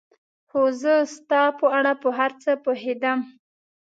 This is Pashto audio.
خو زه ستا په اړه په هر څه پوهېدم.